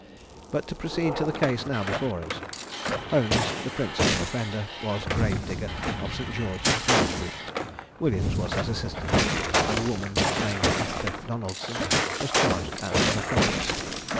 But to proceed to the case now before us. Holmes, the principal offender, was grave digger of St. George's, Bloomsbury; Williams was his assistant; and a woman named Esther Donaldson was charged as an accomplice.